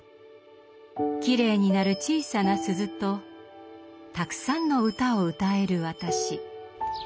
きれいに鳴る小さな鈴とたくさんの唄を歌える私。